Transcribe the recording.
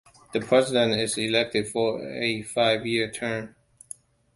The president is elected for a five-year term.